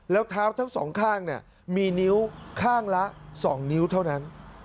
แล้วเท้าทั้งสองข้างมีนิ้วข้างละ๒นิ้วเท่านั้น